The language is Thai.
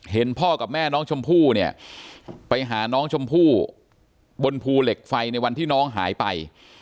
พ่อกับแม่น้องชมพู่เนี่ยไปหาน้องชมพู่บนภูเหล็กไฟในวันที่น้องหายไป